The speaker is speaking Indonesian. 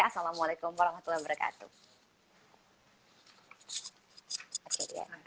assalamualaikum warahmatullahi wabarakatuh